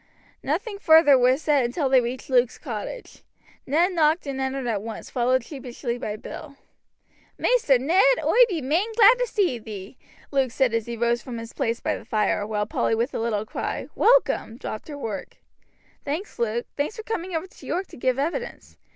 Nothing further was said until they reached Luke's cottage. Ned knocked and entered at once, followed sheepishly by Bill. "Maister Ned, oi be main glad to see thee," Luke said as he rose from his place by the fire; while Polly with a little cry, "Welcome!" dropped her work. "Thanks, Luke thanks for coming over to York to give evidence.